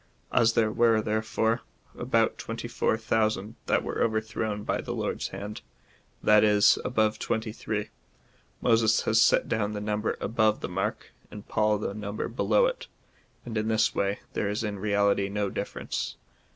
As there were, therefore, about twenty four thousand that were overthrown by the Lord's hand — that is, above twenty three, Moses has set down the number above the mark, and Paul, the number heldw it, and in this way there is in reality no difference.